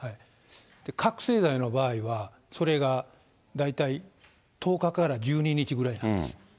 覚醒剤の場合はそれが大体１０日から１２日ぐらいなんです。